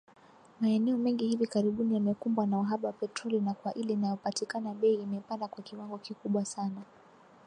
Maeneo mengi hivi karibuni yamekumbwa na uhaba wa petroli na kwa ile inayopatikana bei imepanda kwa kiwango kikubwa sana